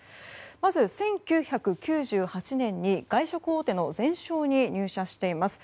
まず１９９８年に外食大手のゼンショーに入社しています。